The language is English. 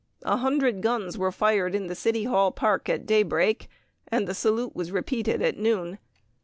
A hundred guns were fired in the City Hall Park at daybreak, and the salute was repeated at noon.